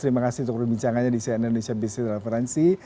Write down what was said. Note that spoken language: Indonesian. terima kasih untuk berbincangannya di cna indonesia business referency